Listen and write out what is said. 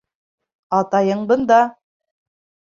Атайың бында!..